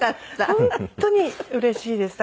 本当にうれしいです。